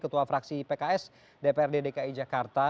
ketua fraksi pks dprd dki jakarta